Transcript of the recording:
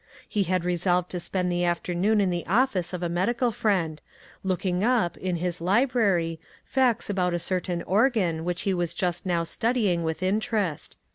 He had resolved to spend the afternoon in the office of a medical friend, looking up, in his library, facts about a certain organ which he was just now studying with interest.